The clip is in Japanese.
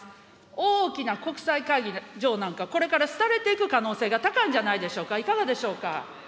大きな国際会議場なんか、これから廃れていく可能性が高いんじゃないでしょうか、いかがでしょうか。